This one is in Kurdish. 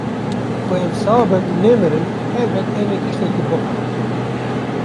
Ku em sax bin nemrin helbet em ê tiştekî bixwin.